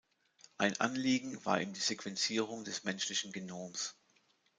Ein Anliegen war ihm die Sequenzierung des menschlichen Genoms.